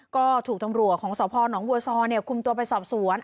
ก็ถูกตำรวจของสพนบัวซอคุมตัวไปสอบสวน